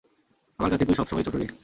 আমার কাছে তুই সবসময়ই ছোট রে!